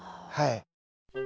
はい。